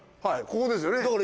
はいここですよね。